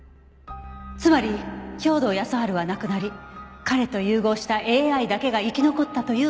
つまり兵働耕春は亡くなり彼と融合したＡＩだけが生き残ったという仮説です。